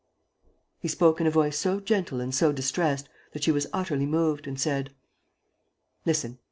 He spoke in a voice so gentle and so distressed that she was utterly moved, and said: "Listen.